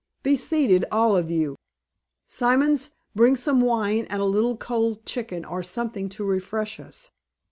Be seated, all of you. Simons, bring some wine and a little cold chicken or something to refresh us.